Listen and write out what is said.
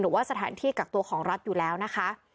หรือว่าสถานที่กักตัวของรัฐอยู่แล้วนะคะ